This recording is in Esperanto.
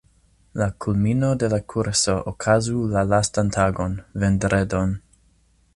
La kulmino de la kurso okazu la lastan tagon, vendredon.